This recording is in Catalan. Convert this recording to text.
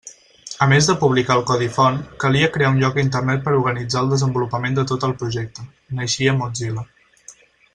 A més de publicar el codi font calia crear un lloc a Internet per organitzar el desenvolupament de tot el projecte: naixia Mozilla.